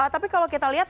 tapi kalau kita lihat